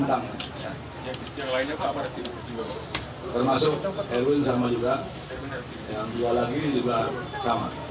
dan mereka orang takut